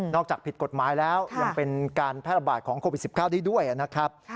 จากผิดกฎหมายแล้วยังเป็นการแพร่ระบาดของโควิด๑๙ได้ด้วยนะครับ